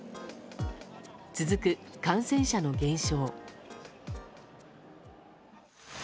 続く感染者の減少。